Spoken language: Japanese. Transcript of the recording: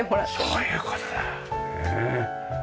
そういう事だねえ。